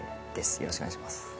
よろしくお願いします。